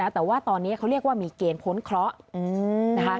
แต่ว่าตอนนี้เขาเรียกว่ามีเกณฑ์พ้นเคราะห์นะคะ